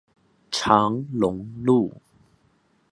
長龍路